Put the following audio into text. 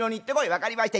「分かりました